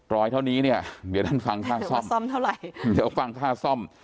รอยเท่านี้เนี่ยเดี๋ยวด้านฟังค่าซ่อมเดี๋ยวฟังค่าซ่อม